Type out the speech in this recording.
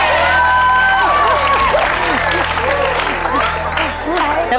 เอองอื่น